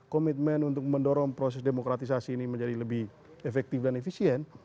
komitmen untuk mendorong proses demokratisasi ini menjadi lebih efektif dan efisien